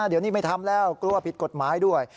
เดี๋ยวนี้ไม่ทำแล้วกลัวผิดกฎหมายด้วย